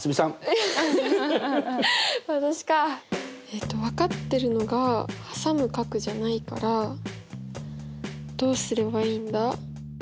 えっと分かっているのが挟む角じゃないからどうすればいいんだ？